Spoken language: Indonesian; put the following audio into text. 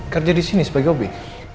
kerja disini sebagai hobi